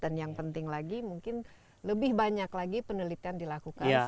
dan yang penting lagi mungkin lebih banyak lagi penelitian dilakukan